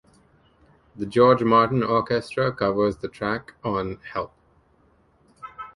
The George Martin Orchestra covers the track on Help!